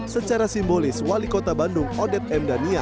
secara simbolis wali kota bandung odet m dania